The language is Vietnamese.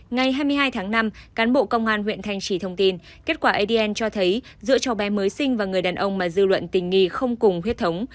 ngày hai mươi hai tháng năm cán bộ công an huyện thanh trì thông tin kết quả adn cho thấy giữa cháu bé mới sinh và người đàn ông mà dư luận tình nghi không cùng huyết thống